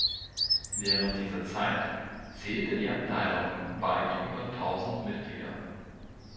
Während dieser Zeit zählte die Abteilung weit über tausend Mitglieder.